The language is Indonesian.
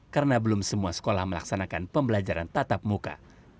karena belum semua sekolah melaksanakan pembelajaran tata muka